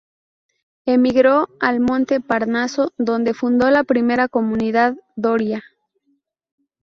Emigró al monte Parnaso donde fundó la primera comunidad doria.